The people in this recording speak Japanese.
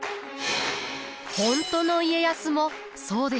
本当の家康もそうでした。